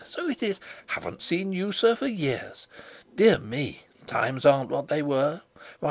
So it is! Haven't seen you, sir, for years. Dear me! Times aren't what they were. Why!